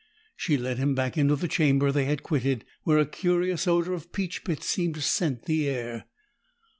She led him back into the chamber they had quitted, where a curious odor of peach pits seemed to scent the air.